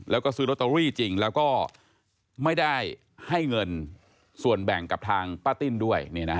แล้วก็ซื้อโรตเตอรี่จริงแล้วก็ไม่ได้ให้เงินส่วนแบ่งกับทางป้าติ้นด้วย